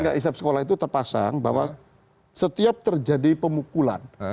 setiap sekolah itu terpasang bahwa setiap terjadi pemukulan